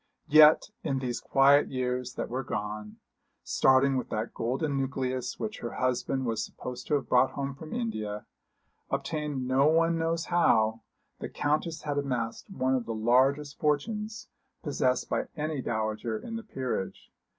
Yet in these quiet years that were gone starting with that golden nucleus which her husband was supposed to have brought home from India, obtained no one knows how, the Countess had amassed one of the largest fortunes possessed by any dowager in the peerage.